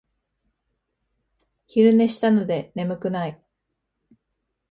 昼寝したので眠くない